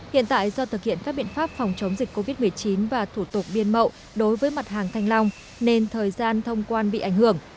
hiện tại do thực hiện các biện pháp phòng chống dịch covid một mươi chín và thủ tục biên mậu đối với mặt hàng thanh long nên thời gian thông quan bị ảnh hưởng